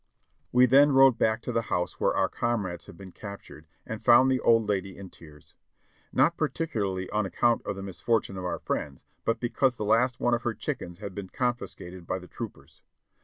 We then rode back to the house where our comrades had been captured, and found the old lady in tears; not particularly on account of the misfortune of our friends, but because the last one of her chickens had been confiscated by the troopers.